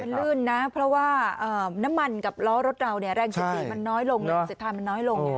เป็นลื่นนะเพราะว่าน้ำมันกับล้อรถเราแรงสิทธิทางมันน้อยลง